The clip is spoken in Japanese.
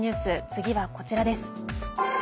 次はこちらです。